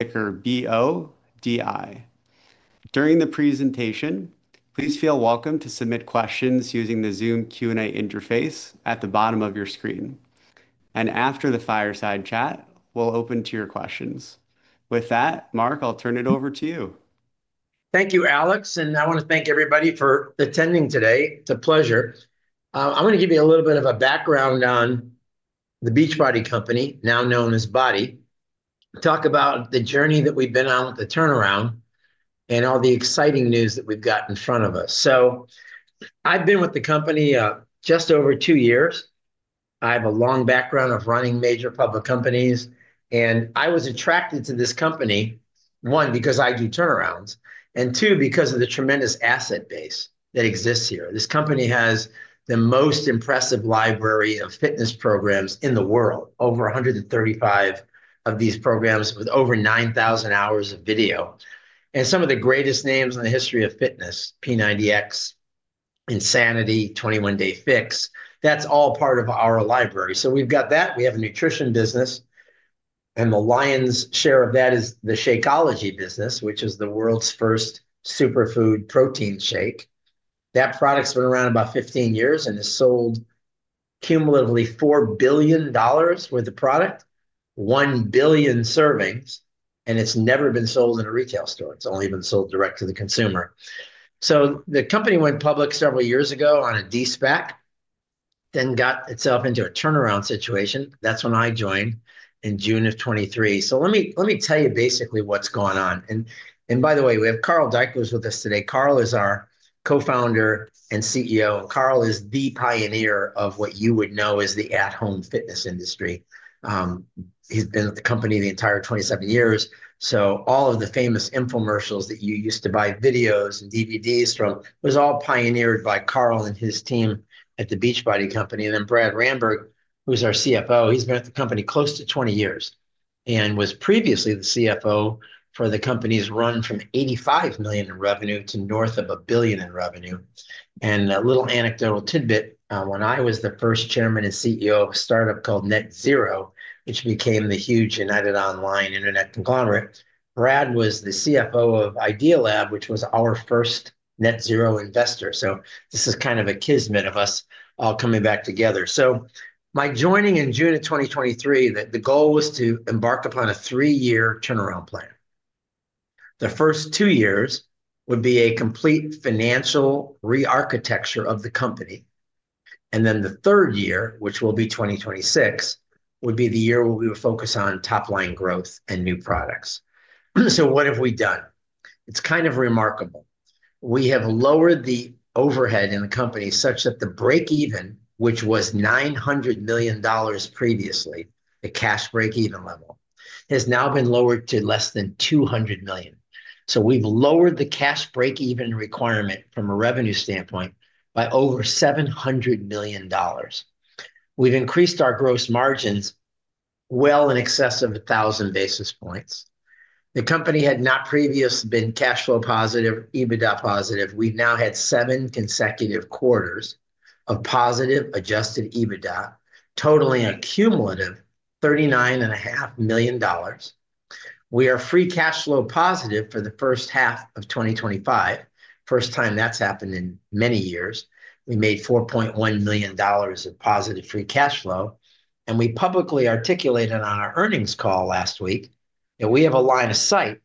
During the presentation, please feel welcome to submit questions using the Zoom Q&A interface at the bottom of your screen. After the fireside chat, we'll open to your questions. With that, Mark, I'll turn it over to you. Thank you, Alex. I want to thank everybody for attending today. It's a pleasure. I'm going to give you a little bit of a background on The Beachbody Company, now known as BODi. Talk about the journey that we've been on with the turnaround and all the exciting news that we've got in front of us. I've been with the company just over two years. I have a long background of running major public companies. I was attracted to this company, one, because I do turnarounds, and two, because of the tremendous asset base that exists here. This company has the most impressive library of fitness programs in the world, over 135 of these programs with over 9,000 hours of video. Some of the greatest names in the history of fitness, P90X, Insanity, 21 Day Fix, that's all part of our library. We've got that. We have a nutrition business. The lion's share of that is the Shakeology business, which is the world's first superfood protein shake. That product's been around about 15 years and has sold cumulatively $4 billion worth of product, 1 billion servings. It's never been sold in a retail store. It's only been sold direct to the consumer. The company went public several years ago on a De-SPAC, then got itself into a turnaround situation. That's when I joined in June of 2023. Let me tell you basically what's going on. By the way, we have Carl Daikeler with us today. Carl is our Co-Founder and CEO. Carl is the pioneer of what you would know as the at-home fitness industry. He's been with the company the entire 27 years. All of the famous infomercials that you used to buy videos and DVDs from was all pioneered by Carl and his team at The Beachbody Company. Brad Ramberg, who's our CFO, he's been at the company close to 20 years and was previously the CFO for the company's run from $85 million in revenue to north of $1 billion in revenue. A little anecdotal tidbit, when I was the first Chairman and CEO of a startup called NetZero, which became the huge United Online Internet conglomerate, Brad was the CFO of Idealab, which was our first NetZero investor. This is kind of a kismet of us all coming back together. My joining in June of 2023, the goal was to embark upon a 3-year turnaround plan. The first two years would be a complete financial re-architecture of the company. The third year, which will be 2026, would be the year where we would focus on top-line growth and new products. What have we done? It's kind of remarkable. We have lowered the overhead in the company such that the break-even, which was $900 million previously, the cash break-even level, has now been lowered to less than $200 million. We have lowered the cash break-even requirement from a revenue standpoint by over $700 million. We have increased our gross margins well in excess of 1,000 basis points. The company had not previously been cash flow positive, EBITDA positive. We now had seven consecutive quarters of positive adjusted EBITDA, totaling a cumulative $39.5 million. We are free cash flow positive for the first half of 2025. First time that's happened in many years. We made $4.1 million of positive free cash flow. We publicly articulated on our earnings call last week that we have a line of sight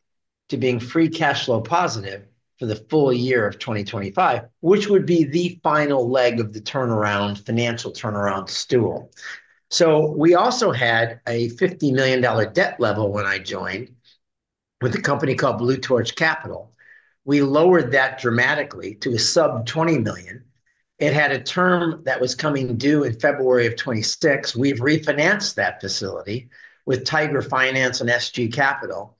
to being free cash flow positive for the full year of 2025, which would be the final leg of the turnaround, financial turnaround stool. We also had a $50 million debt level when I joined with a company called Blue Torch Capital. We lowered that dramatically to a sub $20 million. It had a term that was coming due in February of 2026. We have refinanced that facility with Tiger Finance and SG Capital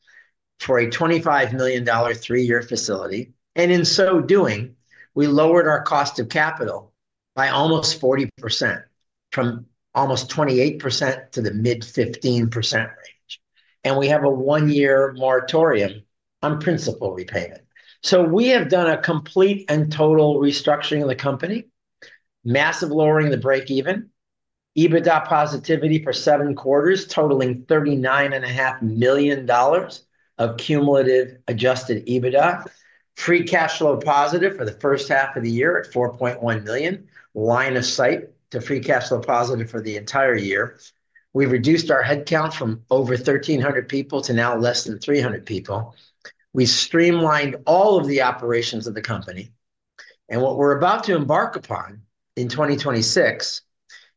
for a $25 million 3-year facility. In so doing, we lowered our cost of capital by almost 40%, from almost 28%-mid 15% range. We have a 1-year moratorium on principal repayment. We have done a complete and total restructuring of the company, massive lowering of the break-even, EBITDA positivity for seven quarters, totaling $39.5 million of cumulative adjusted EBITDA, free cash flow positive for the first half of the year at $4.1 million, line of sight to free cash flow positive for the entire year. We reduced our headcount from over 1,300 people to now less than 300 people. We streamlined all of the operations of the company. What we are about to embark upon in 2026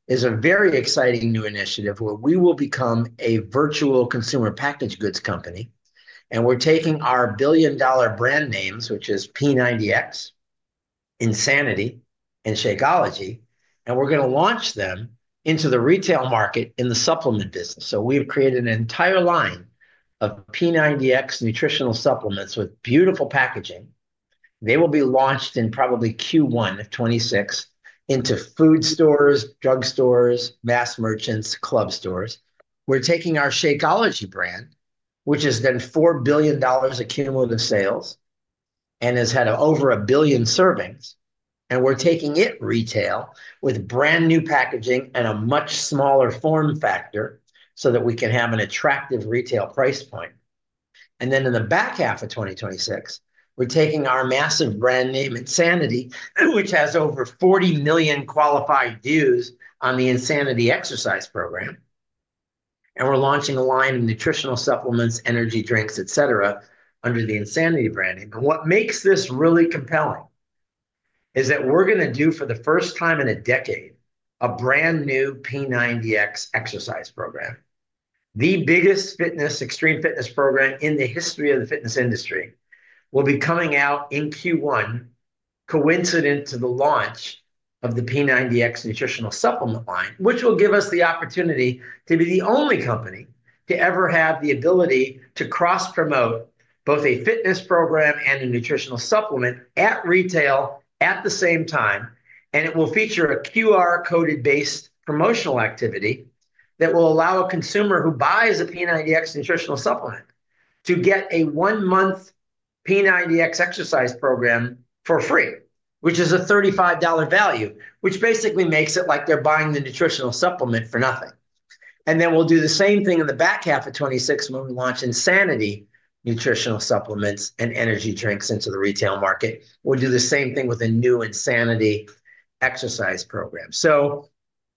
is a very exciting new initiative where we will become a virtual consumer packaged goods company. We are taking our billion-dollar brand names, which are P90X, Insanity, and Shakeology, and we are going to launch them into the retail market in the supplement business. We have created an entire line of P90X nutritional supplements with beautiful packaging. They will be launched in probably Q1 of 2026 into food stores, drug stores, mass merchants, and club stores. We are taking our Shakeology brand, which has done $4 billion of cumulative sales and has had over a billion servings. We're taking it retail with brand new packaging and a much smaller form factor so that we can have an attractive retail price point. In the back half of 2026, we're taking our massive brand name, Insanity, which has over 40 million qualified views on the Insanity exercise program. We're launching a line of nutritional supplements, energy drinks, et cetera, under the Insanity brand name. What makes this really compelling is that we're going to do, for the first time in a decade, a brand new P90X exercise program. The biggest extreme fitness program in the history of the fitness industry will be coming out in Q1, coincident to the launch of the P90X nutritional supplement line, which will give us the opportunity to be the only company to ever have the ability to cross-promote both a fitness program and a nutritional supplement at retail at the same time. It will feature a QR code-based promotional activity that will allow a consumer who buys a P90X nutritional supplement to get a one-month P90X exercise program for free, which is a $35 value, which basically makes it like they're buying the nutritional supplement for nothing. We'll do the same thing in the back half of 2026 when we launch Insanity nutritional supplements and energy drinks into the retail market. We'll do the same thing with a new Insanity exercise program.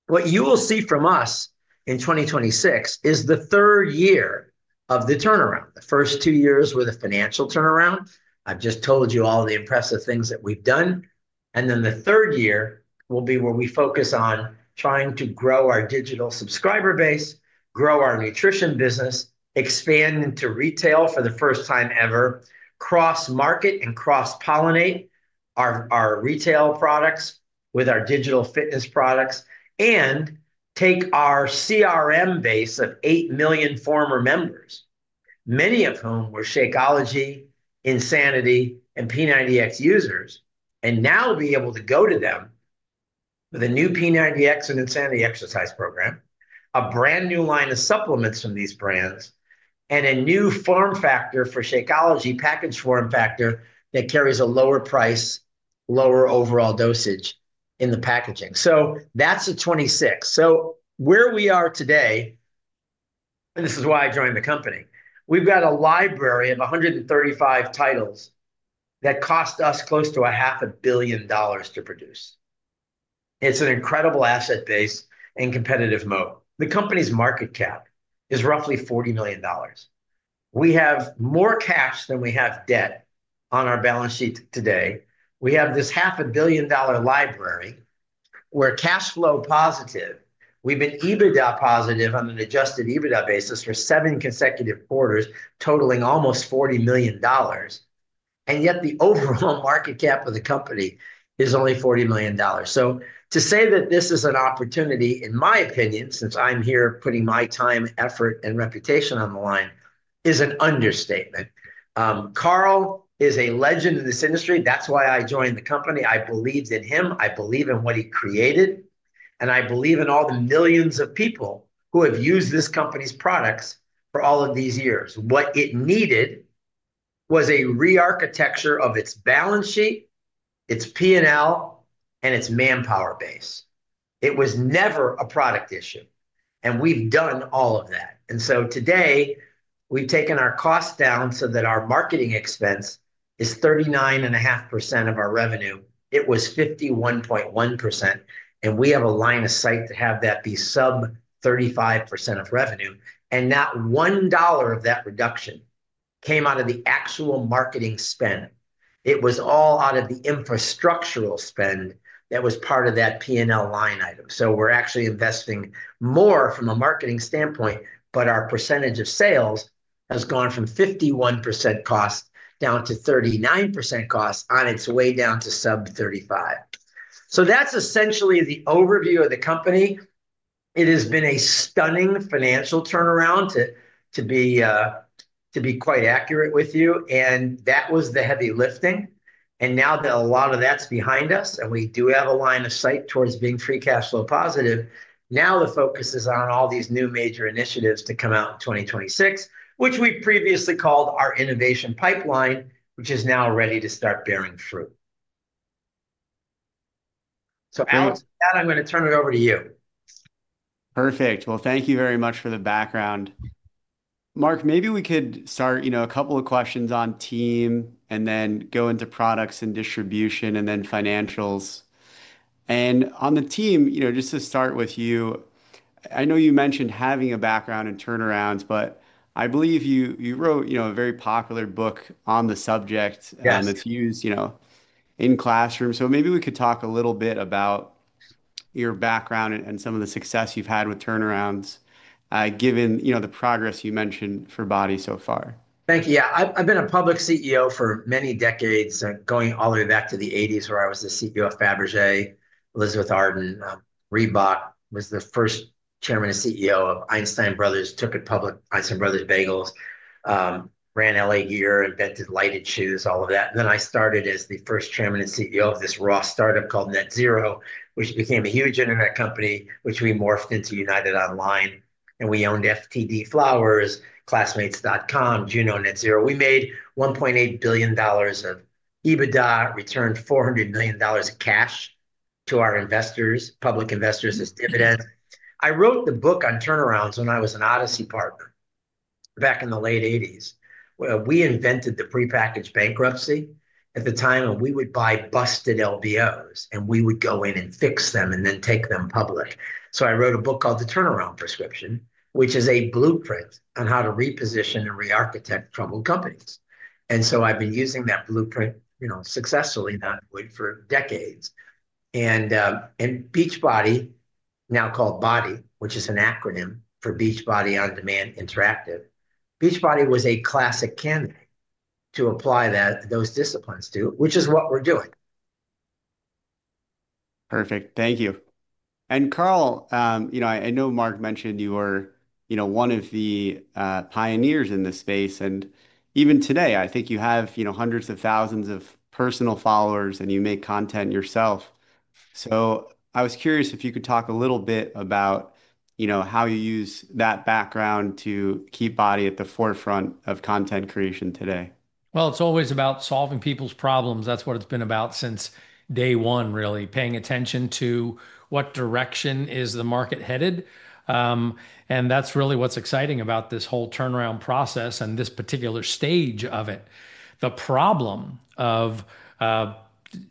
What you will see from us in 2026 is the third year of the turnaround. The first two years were the financial turnaround. I've just told you all the impressive things that we've done. The third year will be where we focus on trying to grow our digital subscriber base, grow our nutrition business, expand into retail for the first time ever, cross-market and cross-pollinate our retail products with our digital fitness products, and take our CRM base of 8 million former members, many of whom were Shakeology, Insanity, and P90X users, and now be able to go to them with a new P90X and Insanity exercise program, a brand new line of supplements from these brands, and a new form factor for Shakeology, packaged form factor that carries a lower price, lower overall dosage in the packaging. That's 2026. Where we are today, and this is why I joined the company, we've got a library of 135 titles that cost us close to $500 million to produce. It's an incredible asset base in competitive mode. The company's market cap is roughly $40 million. We have more cash than we have debt on our balance sheet today. We have this $500 million library where cash flow positive, we've been EBITDA positive on an adjusted EBITDA basis for seven consecutive quarters, totaling almost $40 million. Yet the overall market cap of the company is only $40 million. To say that this is an opportunity, in my opinion, since I'm here putting my time, effort, and reputation on the line, is an understatement. Carl is a legend in this industry. That's why I joined the company. I believed in him. I believe in what he created. I believe in all the millions of people who have used this company's products for all of these years. What it needed was a re-architecture of its balance sheet, its P&L, and its manpower base. It was never a product issue. We've done all of that. Today, we've taken our costs down so that our marketing expense is 39.5% of our revenue. It was 51.1%. We have a line of sight to have that be sub-35% of revenue. That $1 of that reduction came out of the actual marketing spend. It was all out of the infrastructural spend that was part of that P&L line item. We're actually investing more from a marketing standpoint, but our percentage of sales has gone from 51% cost down to 39% cost on its way down to sub-35%. That's essentially the overview of the company. It has been a stunning financial turnaround, to be quite accurate with you. That was the heavy lifting. Now that a lot of that's behind us and we do have a line of sight towards being free cash flow positive, the focus is on all these new major initiatives to come out in 2026, which we previously called our innovation pipeline, which is now ready to start bearing fruit. Alex, with that, I'm going to turn it over to you. Perfect. Thank you very much for the background. Mark, maybe we could start a couple of questions on team and then go into products and distribution and then financials. On the team, just to start with you, I know you mentioned having a background in turnarounds, but I believe you wrote a very popular book on the subject, and it's used in classrooms. Maybe we could talk a little bit about your background and some of the success you've had with turnarounds, given the progress you mentioned for BODi so far. Thank you. Yeah, I've been a public CEO for many decades, going all the way back to the 1980s where I was the CEO of Fabergé, Elizabeth Arden, Reebok, was the first Chairman and CEO of Einstein Brothers, took it public, Einstein Brothers Bagels, ran LA Gear, invented lighted shoes, all of that. I started as the first Chairman and CEO of this raw startup called NetZero, which became a huge internet company, which we morphed into United Online. We owned FTD Flowers, Classmates.com, Juno, NetZero. We made $1.8 billion of EBITDA, returned $400 million of cash to our investors, public investors as dividends. I wrote the book on turnarounds when I was an Odyssey partner back in the late 1980s. We invented the prepackaged bankruptcy at the time, and we would buy busted LBOs, and we would go in and fix them and then take them public. I wrote a book called The Turnaround Prescription, which is a blueprint on how to reposition and re-architect troubled companies. I've been using that blueprint successfully, not for decades. Beachbody, now called BODi, which is an acronym for Beachbody On Demand Interactive, Beachbody was a classic candidate to apply those disciplines to, which is what we're doing. Perfect. Thank you. Carl, I know Mark mentioned you were one of the pioneers in this space. Even today, I think you have hundreds of thousands of personal followers, and you make content yourself. I was curious if you could talk a little bit about how you use that background to keep BODi at the forefront of content creation today. It is always about solving people's problems. That is what it has been about since day one, really, paying attention to what direction the market is headed. That is really what is exciting about this whole turnaround process and this particular stage of it. The problem of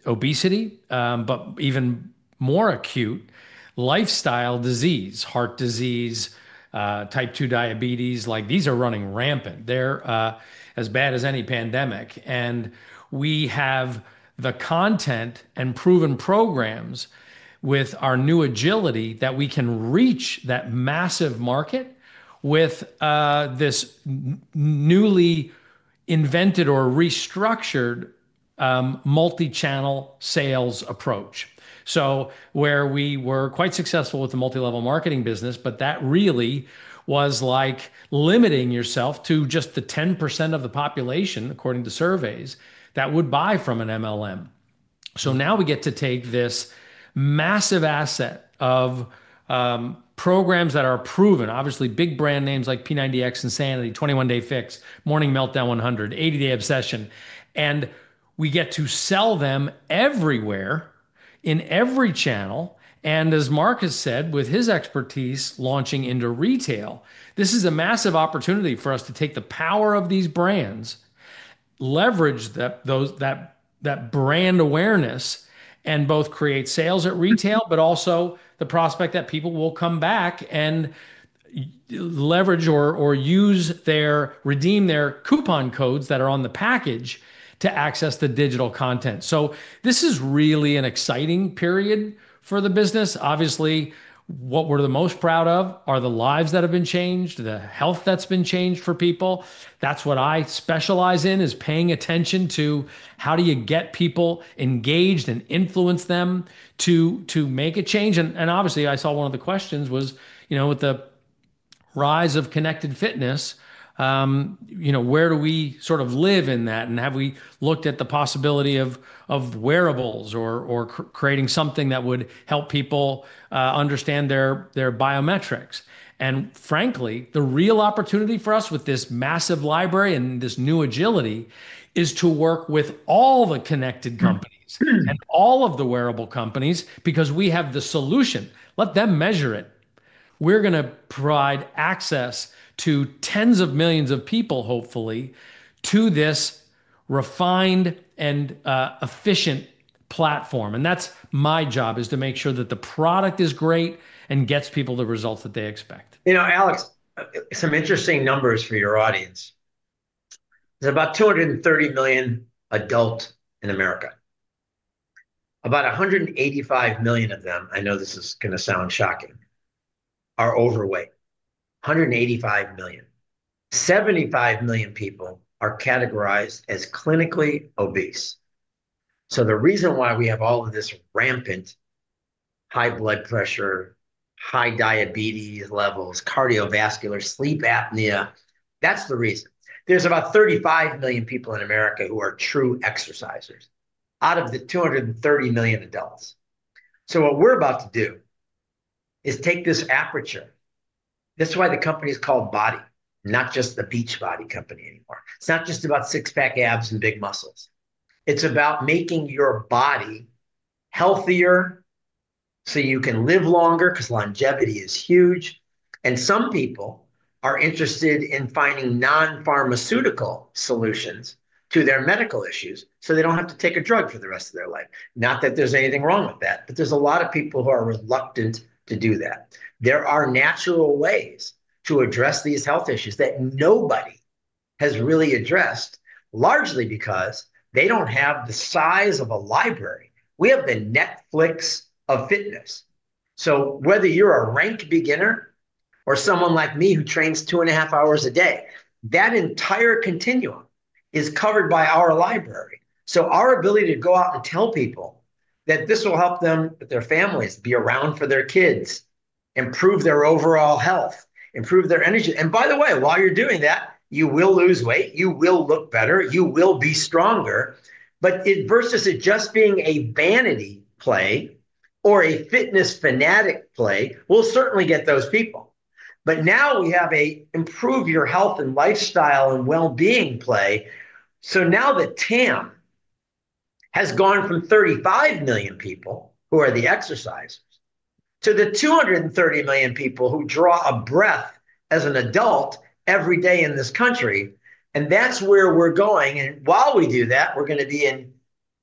obesity, but even more acute, lifestyle disease, heart disease, type 2 diabetes, these are running rampant. They are as bad as any pandemic. We have the content and proven programs with our new agility that we can reach that massive market with this newly invented or restructured multi-channel sales approach. Where we were quite successful with the multi-level marketing business, that really was like limiting yourself to just the 10% of the population, according to surveys, that would buy from an MLM. Now we get to take this massive asset of programs that are proven, obviously big brand names like P90X, Insanity, 21 Day Fix, Morning Meltdown 100, 80 Day Obsession, and we get to sell them everywhere in every channel. As Mark has said, with his expertise launching into retail, this is a massive opportunity for us to take the power of these brands, leverage that brand awareness, and both create sales at retail, but also the prospect that people will come back and leverage or redeem their coupon codes that are on the package to access the digital content. This is really an exciting period for the business. Obviously, what we are the most proud of are the lives that have been changed, the health that has been changed for people. That is what I specialize in, paying attention to how you get people engaged and influence them to make a change. I saw one of the questions was, with the rise of connected fitness, where do we sort of live in that? Have we looked at the possibility of wearables or creating something that would help people understand their biometrics? Frankly, the real opportunity for us with this massive library and this new agility is to work with all the connected companies and all of the wearable companies because we have the solution. Let them measure it. We are going to provide access to tens of millions of people, hopefully, to this refined and efficient platform. That is my job, to make sure that the product is great and gets people the results that they expect. You know, Alex, some interesting numbers for your audience. There's about 230 million adults in America. About 185 million of them, I know this is going to sound shocking, are overweight. 185 million. 75 million people are categorized as clinically obese. The reason why we have all of this rampant high blood pressure, high diabetes levels, cardiovascular, sleep apnea, that's the reason. There's about 35 million people in America who are true exercisers out of the 230 million adults. What we're about to do is take this aperture. This is why the company is called BODi, not just The Beachbody Company anymore. It's not just about six-pack abs and big muscles. It's about making your body healthier so you can live longer because longevity is huge. Some people are interested in finding non-pharmaceutical solutions to their medical issues so they don't have to take a drug for the rest of their life. Not that there's anything wrong with that, but there's a lot of people who are reluctant to do that. There are natural ways to address these health issues that nobody has really addressed, largely because they don't have the size of a library. We have the Netflix of fitness. Whether you're a ranked beginner or someone like me who trains two and a half hours a day, that entire continuum is covered by our library. Our ability to go out and tell people that this will help them with their families, be around for their kids, improve their overall health, improve their energy. By the way, while you're doing that, you will lose weight, you will look better, you will be stronger. Versus it bursts into just being a vanity play or a fitness fanatic play, we'll certainly get those people. Now we have an improve-your-health-and-lifestyle-and-well-being play. The TAM has gone from 35 million people who are the exercise to the 230 million people who draw a breath as an adult every day in this country. That's where we're going. While we do that, we're going to be in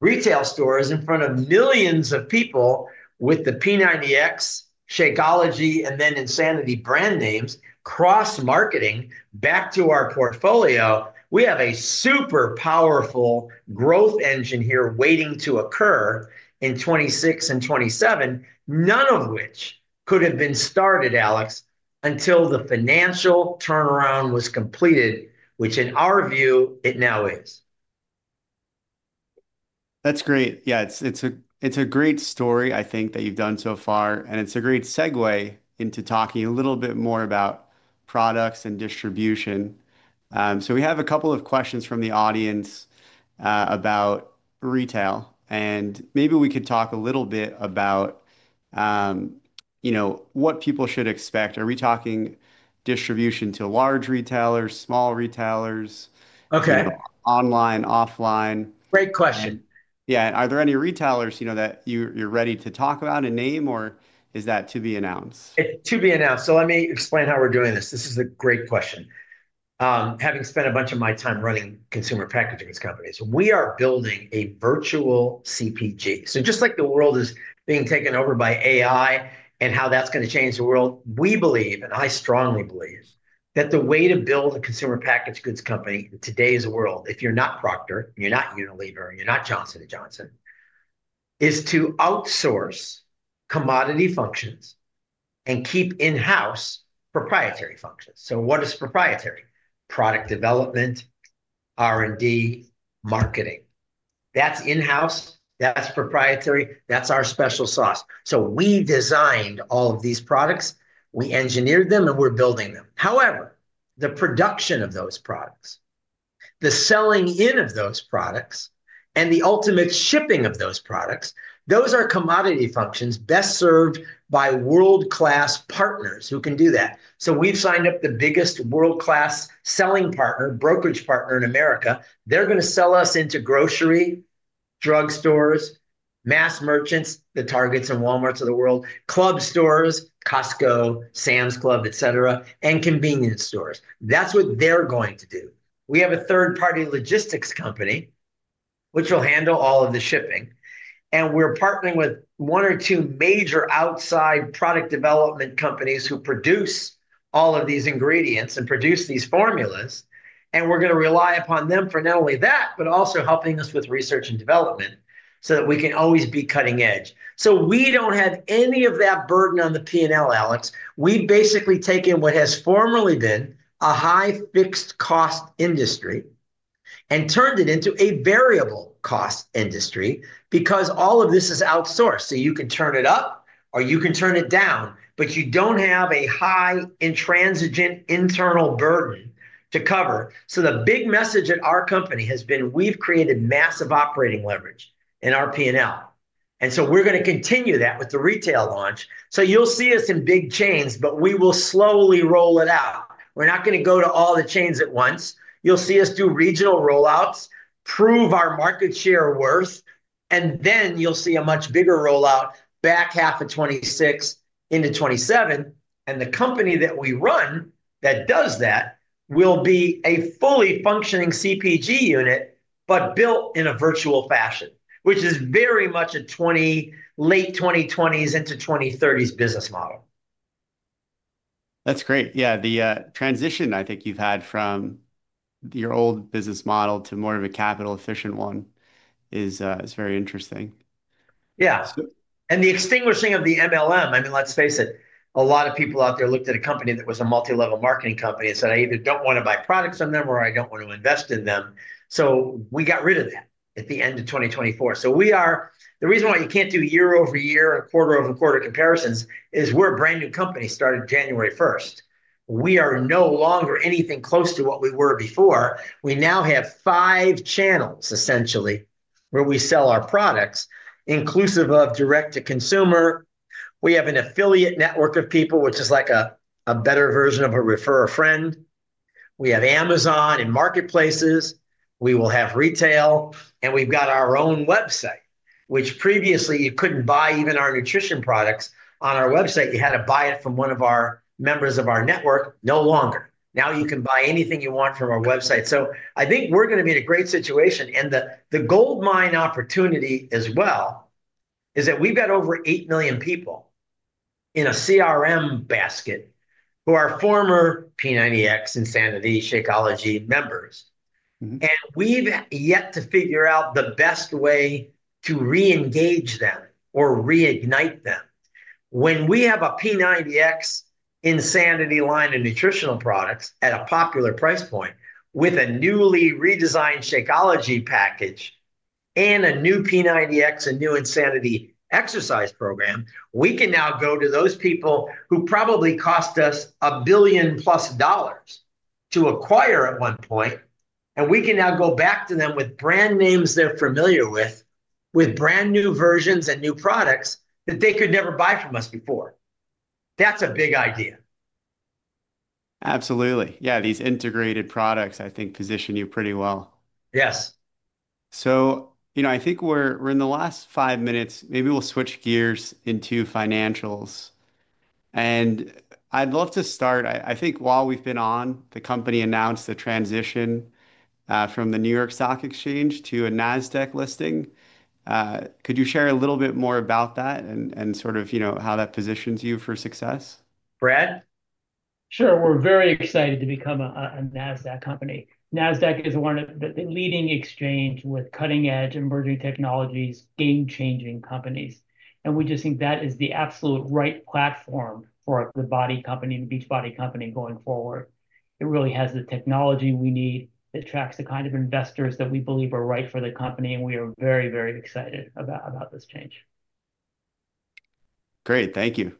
retail stores in front of millions of people with the P90X, Shakeology, and then Insanity brand names cross-marketing back to our portfolio. We have a super powerful growth engine here waiting to occur in 2026 and 2027, none of which could have been started, Alex, until the financial turnaround was completed, which in our view, it now is. That's great. Yeah, it's a great story, I think, that you've done so far. It's a great segue into talking a little bit more about products and distribution. We have a couple of questions from the audience about retail. Maybe we could talk a little bit about what people should expect. Are we talking distribution to large retailers, small retailers, online, offline? Great question. Yeah. Are there any retailers that you're ready to talk about and name, or is that to be announced? It's to be announced. Let me explain how we're doing this. This is a great question. Having spent a bunch of my time running consumer packaged goods companies, we are building a virtual CPG. Just like the world is being taken over by AI and how that's going to change the world, we believe, and I strongly believe, that the way to build a consumer packaged goods company in today's world, if you're not Procter and you're not Unilever and you're not Johnson & Johnson, is to outsource commodity functions and keep in-house proprietary functions. What is proprietary? Product development, R&D, marketing. That's in-house. That's proprietary. That's our special sauce. We designed all of these products. We engineered them, and we're building them. However, the production of those products, the selling in of those products, and the ultimate shipping of those products, those are commodity functions best served by world-class partners who can do that. We've signed up the biggest world-class selling partner, brokerage partner in America. They're going to sell us into grocery, drug stores, mass merchants, the Targets and Walmarts of the world, club stores, Costco, Sam's Club, etc., and convenience stores. That's what they're going to do. We have a third-party logistics company, which will handle all of the shipping. We're partnering with one or two major outside product development companies who produce all of these ingredients and produce these formulas. We're going to rely upon them for not only that, but also helping us with research and development so that we can always be cutting edge. We don't have any of that burden on the P&L, Alex. We've basically taken what has formerly been a high fixed cost industry and turned it into a variable cost industry because all of this is outsourced. You can turn it up or you can turn it down, but you don't have a high intransigent internal burden to cover. The big message at our company has been we've created massive operating leverage in our P&L. We're going to continue that with the retail launch. You'll see us in big chains, but we will slowly roll it out. We're not going to go to all the chains at once. You'll see us do regional rollouts, prove our market share worth, and then you'll see a much bigger rollout back half of 2026 into 2027. The company that we run that does that will be a fully functioning CPG unit, but built in a virtual fashion, which is very much a late 2020s into 2030s business model. That's great. Yeah, the transition I think you've had from your old business model to more of a capital-efficient one is very interesting. Yeah. The extinguishing of the MLM. I mean, let's face it, a lot of people out there looked at a company that was a multi-level marketing company and said, I either don't want to buy products from them or I don't want to invest in them. We got rid of that at the end of 2024. The reason why you can't do year-over-year, quarter-over-quarter comparisons is we're a brand new company started January 1st, 2025. We are no longer anything close to what we were before. We now have five channels, essentially, where we sell our products, inclusive of direct-to-consumer. We have an affiliate network of people, which is like a better version of a refer-a-friend. We have Amazon and marketplaces. We will have retail, and we've got our own website, which previously you couldn't buy even our nutrition products on our website. You had to buy it from one of our members of our network. No longer. Now you can buy anything you want from our website. I think we're going to be in a great situation. The gold mine opportunity as well is that we've got over 8 million people in a CRM basket who are former P90X, Insanity, Shakeology members. We've yet to figure out the best way to re-engage them or reignite them. When we have a P90X Insanity line of nutritional products at a popular price point with a newly redesigned Shakeology package and a new P90X and new Insanity exercise program, we can now go to those people who probably cost us $1+ billion to acquire at one point. We can now go back to them with brand names they're familiar with, with brand new versions and new products that they could never buy from us before. That's a big idea. Absolutely. Yeah, these integrated products, I think, position you pretty well. Yes. I think we're in the last five minutes. Maybe we'll switch gears into financials. I'd love to start. I think while we've been on, the company announced the transition from the New York Stock Exchange to a NASDAQ listing. Could you share a little bit more about that and sort of how that positions you for success? We're very excited to become a NASDAQ company. NASDAQ is one of the leading exchanges with cutting-edge emerging technologies, game-changing companies. We just think that is the absolute right platform for BODi, The Beachbody Company, going forward. It really has the technology we need. It attracts the kind of investors that we believe are right for the company. We are very, very excited about this change. Great. Thank you.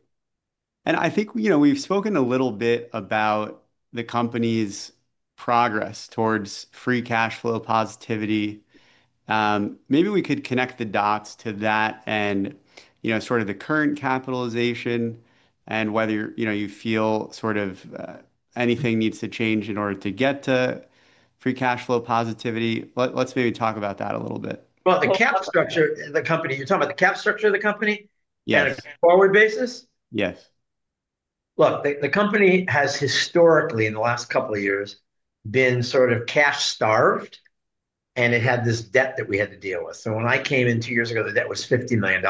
I think we've spoken a little bit about the company's progress towards free cash flow positivity. Maybe we could connect the dots to that and sort of the current capitalization and whether you feel anything needs to change in order to get to free cash flow positivity. Let's maybe talk about that a little bit. Are you talking about the cap structure of the company on a forward basis? Yes. Look, the company has historically, in the last couple of years, been sort of cash-starved. It had this debt that we had to deal with. When I came in two years ago, the debt was $50 million.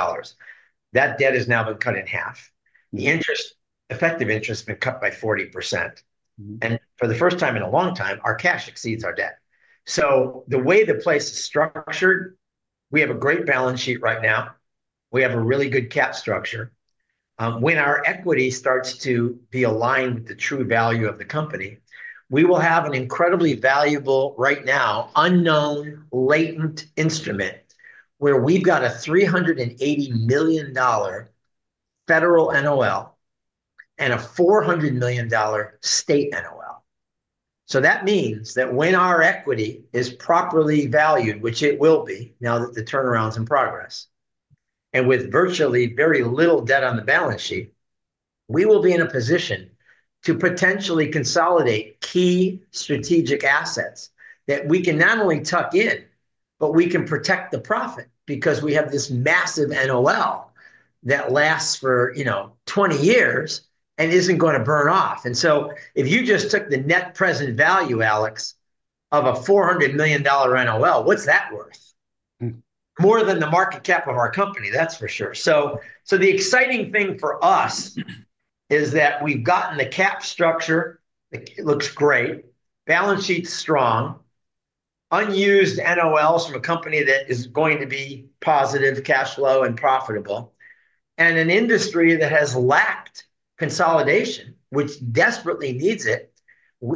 That debt has now been cut in half. The effective interest has been cut by 40%. For the first time in a long time, our cash exceeds our debt. The way the place is structured, we have a great balance sheet right now. We have a really good cap structure. When our equity starts to be aligned with the true value of the company, we will have an incredibly valuable, right now unknown, latent instrument where we've got a $380 million federal NOL and a $400 million state NOL. That means that when our equity is properly valued, which it will be now that the turnaround is in progress, and with virtually very little debt on the balance sheet, we will be in a position to potentially consolidate key strategic assets that we can not only tuck in, but we can protect the profit because we have this massive NOL that lasts for 20 years and isn't going to burn off. If you just took the net present value, Alex, of a $400 million NOL, what's that worth? More than the market cap of our company, that's for sure. The exciting thing for us is that we've gotten the cap structure. It looks great. Balance sheet's strong. Unused NOLs from a company that is going to be positive cash flow and profitable. An industry that has lacked consolidation, which desperately needs it.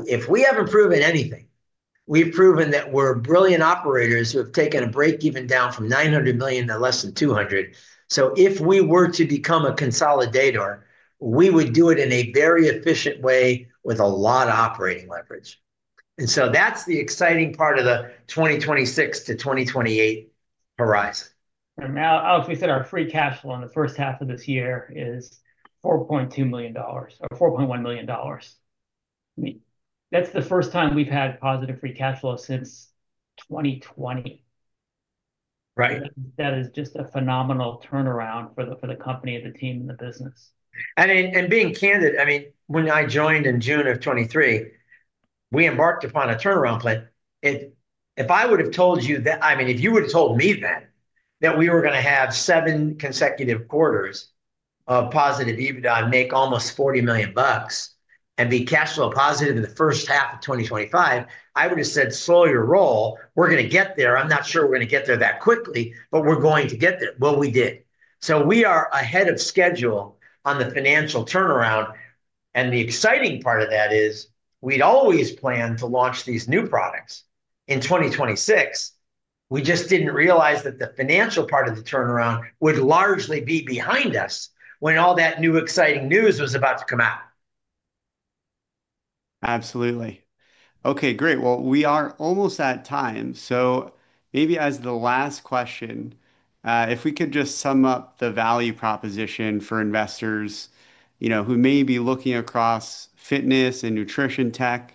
If we haven't proven anything, we've proven that we're brilliant operators who have taken a break-even down from $900 million to less than $200 million. If we were to become a consolidator, we would do it in a very efficient way with a lot of operating leverage. That's the exciting part of the 2026 to 2028 horizon. Now, as we said, our free cash flow in the first half of this year is $4.2 million, $4.1 million. That's the first time we've had positive free cash flow since 2020. Right. That is just a phenomenal turnaround for the company, the team, and the business. Being candid, I mean, when I joined in June of 2023, we embarked upon a turnaround play. If I would have told you that, I mean, if you would have told me that we were going to have seven consecutive quarters of positive EBITDA and make almost $40 million and be cash flow positive in the first half of 2025, I would have said, slow your roll. We're going to get there. I'm not sure we're going to get there that quickly, but we're going to get there. We did. We are ahead of schedule on the financial turnaround. The exciting part of that is we'd always planned to launch these new products in 2026. We just didn't realize that the financial part of the turnaround would largely be behind us when all that new exciting news was about to come out. Absolutely. OK, great. We are almost out of time. Maybe as the last question, if we could just sum up the value proposition for investors who may be looking across fitness and nutrition tech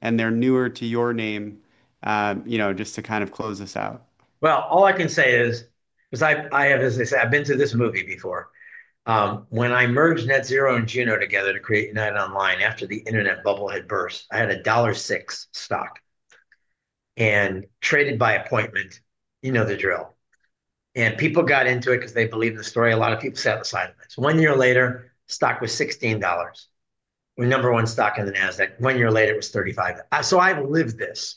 and they're newer to your name, just to kind of close this out. All I can say is, as I said, I've been to this movie before. When I merged NetZero and Juno together to create United Online after the internet bubble had burst, I had a $1.6 stock and traded by appointment. You know the drill. People got into it because they believed in the story. A lot of people sat beside of it. One year later, the stock was $16, the number one stock in the NASDAQ. One year later, it was $35. I've lived this.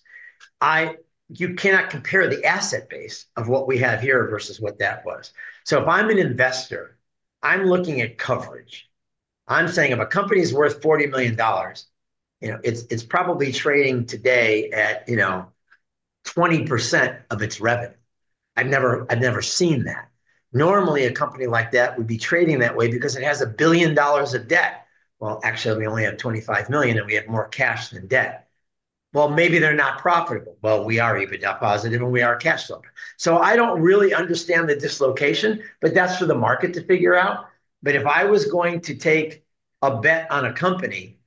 You cannot compare the asset base of what we had here versus what that was. If I'm an investor, I'm looking at coverage. I'm saying if a company is worth $40 million, you know it's probably trading today at 20% of its revenue. I've never seen that. Normally, a company like that would be trading that way because it has $1 billion of debt. Actually, we only have $25 million and we have more cash than debt. Maybe they're not profitable. We are EBITDA positive and we are cash flow. I don't really understand the dislocation, but that's for the market to figure out. If I was going to take a bet on a company,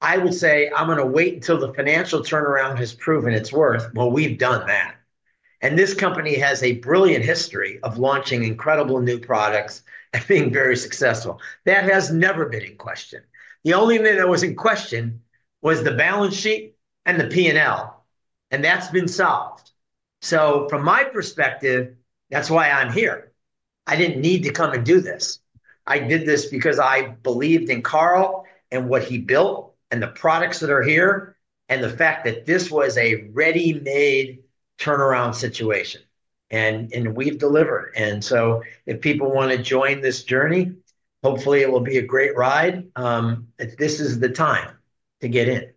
I would say I'm going to wait until the financial turnaround has proven its worth. We've done that. This company has a brilliant history of launching incredible new products and being very successful. That has never been in question. The only thing that was in question was the balance sheet and the P&L, and that's been solved. From my perspective, that's why I'm here. I didn't need to come and do this. I did this because I believed in Carl and what he built and the products that are here and the fact that this was a ready-made turnaround situation. We've delivered. If people want to join this journey, hopefully, it will be a great ride. This is the time to get in.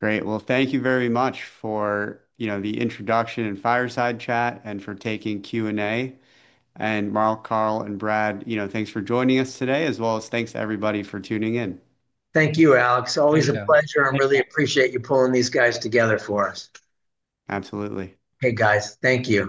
Great. Thank you very much for the introduction and fireside chat and for taking Q&A. Mark, Carl, and Brad, thanks for joining us today, as well as thanks to everybody for tuning in. Thank you, Alex. Always a pleasure. I really appreciate you pulling these guys together for us. Absolutely. Hey, guys. Thank you.